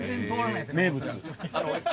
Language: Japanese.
名物。